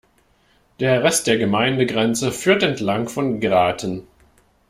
Der Rest der Gemeindegrenze führt entlang von Graten.